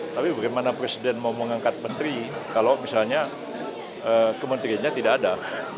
tapi bagaimana presiden mau mengangkat menteri kalau misalnya kementeriannya tidak ada